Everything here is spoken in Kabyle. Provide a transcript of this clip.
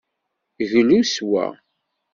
Glu s wa.